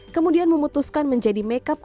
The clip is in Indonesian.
kemudian memutuskan menjadi makeup